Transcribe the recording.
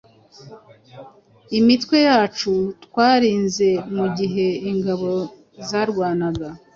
Imitwe yacu twarinzemugihe ingabo zarwanaga